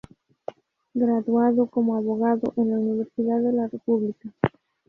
Graduado como abogado en la Universidad de la República.